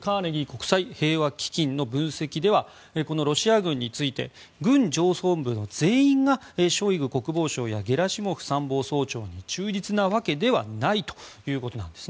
国際平和基金の分析では、このロシア軍について軍上層部の全員がショイグ国防相やゲラシモフ参謀総長に忠実なわけではないということなんです。